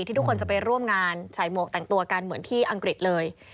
ทุกคนจะไปร่วมงานใส่หมวกแต่งตัวกันเหมือนที่อังกฤษเลย